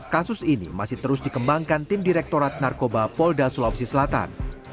kasus ini masih terus dikembangkan tim direktorat narkoba polda sulawesi selatan